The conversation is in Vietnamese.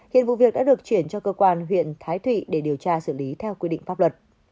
hiện vụ việc đã được chuyển cho cơ quan huyện thái thụy để điều tra xử lý theo quy định pháp luật